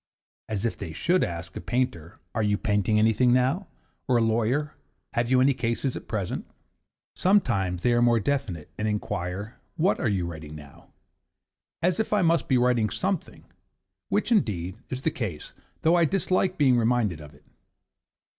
(as if they should ask a painter 'Are you painting anything now?' or a lawyer 'Have you any cases at present?'). Sometimes they are more definite and inquire 'What are you writing now?' as if I must be writing something which, indeed, is the case, though I dislike being reminded of it.